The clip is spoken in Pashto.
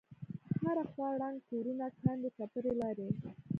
هره خوا ړنگ کورونه کند وکپرې لارې.